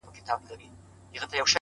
مهرباني د سختو زړونو یخ ماتوي’